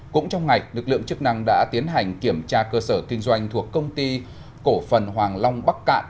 cũng trong ngày lực lượng chức năng đã tiến hành kiểm tra cơ sở kinh doanh thuộc công ty cổ phần hoàng long bắc cạn